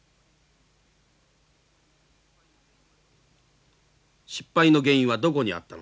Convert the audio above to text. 失敗の原因はどこにあったのでしょうか。